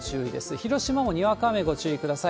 広島もにわか雨ご注意ください。